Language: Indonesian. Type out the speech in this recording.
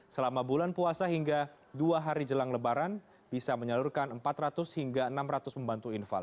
selama bulan puasa hingga dua hari jelang lebaran bisa menyalurkan empat ratus hingga enam ratus pembantu infal